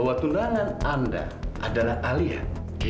aku udah kesayang